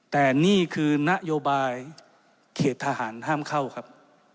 แต่นี่คือนโยบายเขตทหารห้ามเข้าครับ